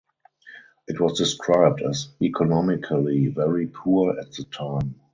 It was described as economically very poor at the time.